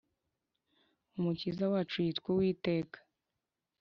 Umukiza wacu yitwa Uwiteka